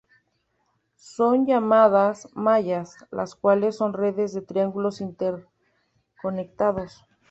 Son llamadas "mallas", las cuales son redes de triángulos interconectados.